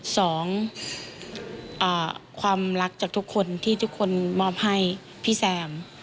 สองความรักจากทุกคนที่ทุกคนมอบให้พี่แซม